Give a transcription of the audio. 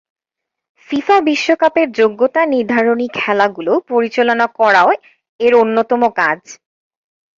FIFA বিশ্বকাপের যোগ্যতা নির্ধারণী খেলাগুলো পরিচালনা করাও এর অন্যতম কাজ।